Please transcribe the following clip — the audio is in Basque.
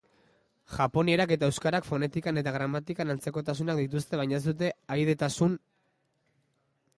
Japoinerak eta euskarak fonetikan eta gramatikan antzekotasunak dituzte baina ez dute ahaidetasun harremanik.